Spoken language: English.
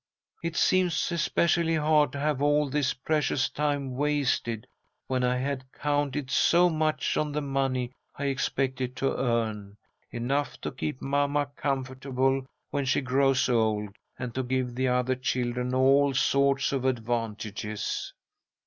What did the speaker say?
It seems especially hard to have all this precious time wasted, when I had counted so much on the money I expected to earn, enough to keep mamma comfortable when she grows old, and to give the other children all sorts of advantages."